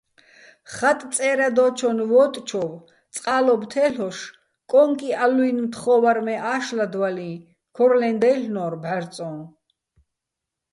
ხატ წერადოჩონ ვოტჩოვ წყალობ თელ'ოშ კონკიალლუჲნი̆ მთხოვარ მე აშლადვალიჼ, ქორლეჼ დაჲლ'ნორ ბჵარწოჼ.